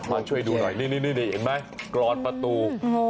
มาช่วยดูหน่อยนี่เห็นไหมกรอนประตู